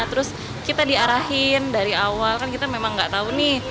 terus kita diarahin dari awal kan kita memang nggak tahu nih